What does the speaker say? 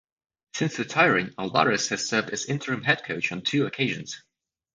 Since retiring, Alvarez has served as interim head coach on two occasions.